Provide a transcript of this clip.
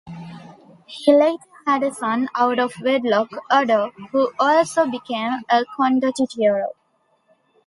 He later had a son out of wedlock, Oddo, who also became a condottiero.